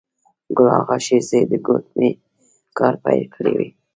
ګل آغا شېرزی د ګومبتې کار پیل کړی و.